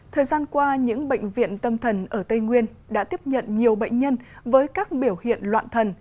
thời gian qua những bệnh viện tâm thần ở tây nguyên đã tiếp nhận nhiều bệnh nhân với các biểu hiện loạn thần